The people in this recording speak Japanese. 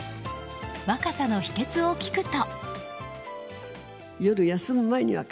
若さの秘訣を聞くと。